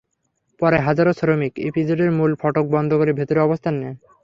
পরে হাজারো শ্রমিক ইপিজেডের মূল ফটক বন্ধ করে ভেতরে অবস্থান নেন।